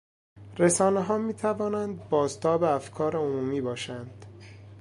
رسانهها میتوانند بازتاب افکار عمومی باشند.